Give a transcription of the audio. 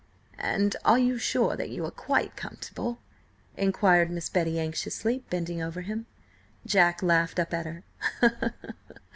"And are you sure that you are quite comfortable?" inquired Miss Betty, anxiously bending over him. Jack laughed up at her.